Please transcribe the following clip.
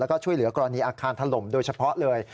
แล้วก็ช่วยเหลือกรณีอาคารถล่มโดยเฉพาะเลย